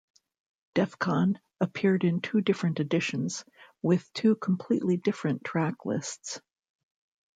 "Defcon" appeared in two different editions, with two completely different track lists.